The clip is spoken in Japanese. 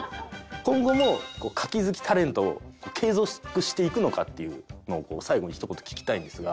今後も牡蠣好きタレントを継続していくのかっていうのを最後にひと言聞きたいんですが。